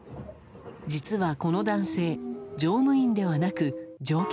実は、この男性乗務員ではなく、乗客。